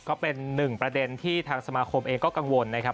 ก็เป็นหนึ่งประเด็นที่ทางสมาคมเองก็กังวลนะครับ